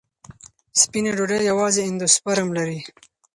سپینه ډوډۍ یوازې اندوسپرم لري.